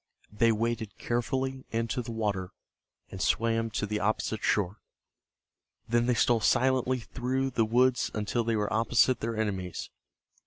They waded carefully into the water and swam to the opposite shore. Then they stole silently through the woods until they were opposite their enemies.